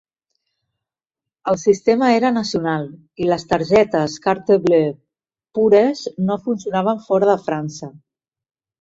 El sistema era nacional i les targetes Carte Bleue pures no funcionaven fora de França.